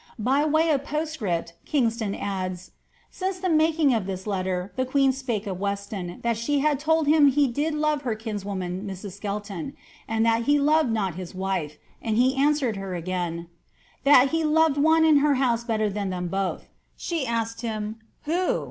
By way of postscript, Kingston adds, ^ Since the making of this letter, the queen spake of Weston, that she had told him he did love her kins ahhb BOLETif* 198 woman, Mrs. Skelton/ and that he loved not his wife ; and he answered her again, ^ That he loved one in her house better than them both.' She asked him, ^ Who